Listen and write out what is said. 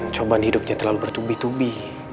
cobaan hidupnya terlalu bertubi tubi